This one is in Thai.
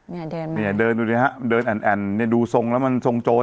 นี่เดินมานี่เดินดูดิฮะเดินแอ่นนี่ดูทรงแล้วมันทรงโจรอ่ะ